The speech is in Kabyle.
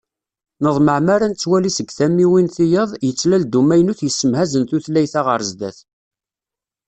Neḍmeɛ mi ara nettwali seg tamiwin tiyaḍ yettlal-d umaynut yessemhazen tutlayt-a ɣer sdat.